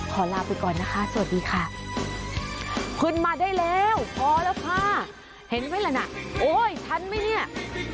ขอลาไปก่อนนะคะสวัสดีค่ะ